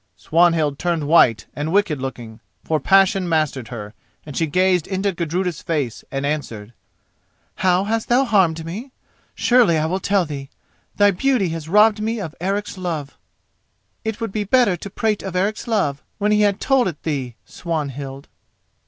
Swanhild turned white and wicked looking, for passion mastered her, and she gazed into Gudruda's face and answered: "How hast thou harmed me? Surely I will tell thee. Thy beauty has robbed me of Eric's love." "It would be better to prate of Eric's love when he had told it thee, Swanhild."